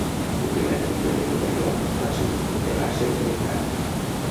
El primer article venut al lloc va ser un punter làser trencat.